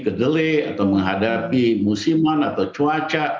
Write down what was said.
kedele atau menghadapi musiman atau cuaca